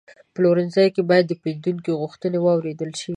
په پلورنځي کې باید د پیرودونکو غوښتنې واورېدل شي.